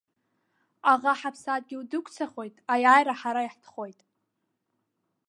Аӷа ҳаԥсадгьыл дықәцахоит, аиааира ҳара иаҳтәхоит!